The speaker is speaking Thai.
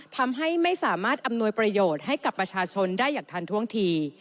ทำให้ไม่สามารถอำนวยประโยชน์ให้กับประชาชนได้อย่างทันท่วงที